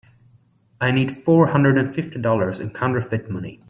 I need four hundred and fifty dollars in counterfeit money.